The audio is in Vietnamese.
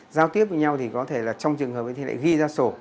giao tiếp với nhau thì có thể là trong trường hợp thì lại ghi ra sổ